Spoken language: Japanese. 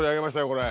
これ。